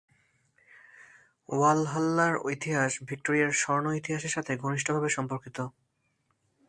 ওয়ালহাল্লার ইতিহাস ভিক্টোরিয়ার স্বর্ণ ইতিহাসের সাথে ঘনিষ্ঠভাবে সম্পর্কিত।